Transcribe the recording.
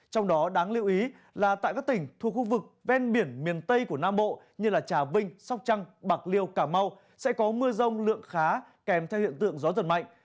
trong đó đáng lưu ý là tại các tỉnh thuộc khu vực ven biển miền tây của nam bộ như trà vinh sóc trăng bạc liêu cà mau sẽ có mưa rông lượng khá kèm theo hiện tượng gió giật mạnh